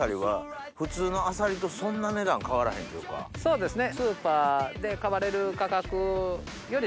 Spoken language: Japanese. そうですね。